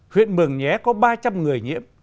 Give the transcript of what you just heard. huyện mường nhé có ba trăm linh người nhiễm